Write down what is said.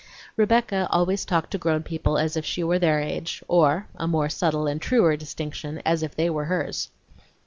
(Rebecca always talked to grown people as if she were their age, or, a more subtle and truer distinction, as if they were hers.)